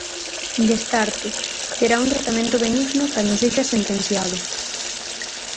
Destarte, terá un tratamento benigno cando sexa sentenciado.